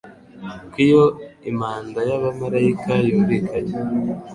ko iyo impanda y'abamarayika yumvikanye